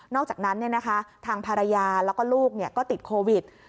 อกจากนั้นทางภรรยาแล้วก็ลูกก็ติดโควิด